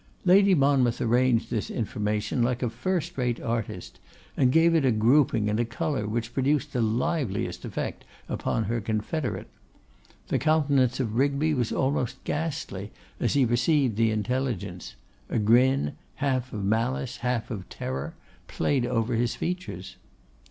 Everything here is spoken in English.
Lady Monmouth arranged this information like a firstrate artist, and gave it a grouping and a colour which produced the liveliest effect upon her confederate. The countenance of Rigby was almost ghastly as he received the intelligence; a grin, half of malice, half of terror, played over his features.